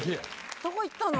どこ行ったの？